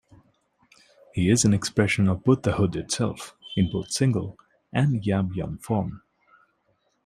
He is an expression of Buddhahood itself in both single and yabyum form.